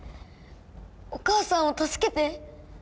お母さんを助けて。